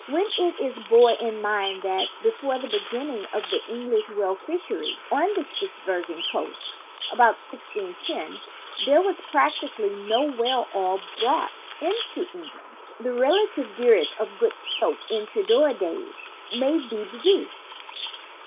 When it is borne in mind that, before the beginning of the Eng lish whale fishery on the Spitzbergen coasts about 1610 there was practically no whale oil brought into Eng land, the relative dearth of good soap in Tudor days may be deduced.